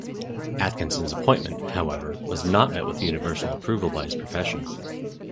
Atkinson's appointment, however, was not met with universal approval by his profession.